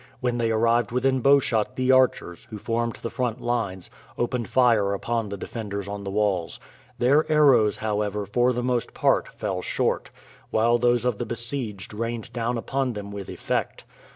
When they arrived within bowshot the archers, who formed the front lines, opened fire upon the defenders on the walls. Their arrows, however, for the most part fell short, while those of the besieged rained down upon them with effect.